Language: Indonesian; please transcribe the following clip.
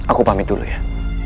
aku pamit dulu ya